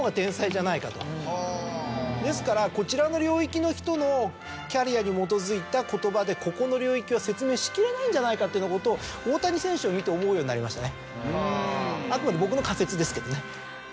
ですからこちらの領域の人のキャリアに基づいた言葉でここの領域は説明しきれないんじゃないかということを大谷選手を見て思うようになりましたね。